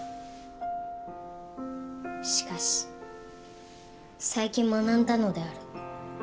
しかし最近学んだのである。